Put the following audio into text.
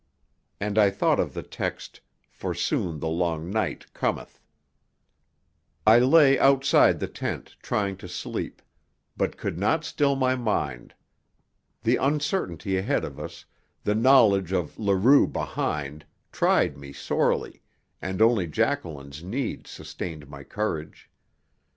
And I thought of the text: "For soon the long night cometh." I lay outside the tent, trying to sleep; but could not still my mind. The uncertainty ahead of us, the knowledge of Leroux behind, tried me sorely, and only Jacqueline's need sustained my courage.